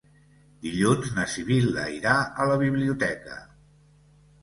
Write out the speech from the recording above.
Dilluns na Sibil·la irà a la biblioteca.